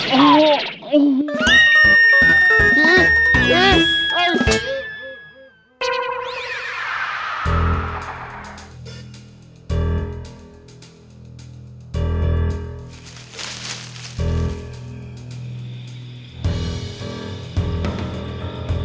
โอ้โห